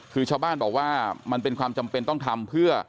คือชาวบ้านบอกว่ามันเป็นความจำเป็นต้องทำเพื่อ